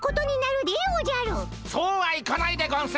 そうはいかないでゴンス！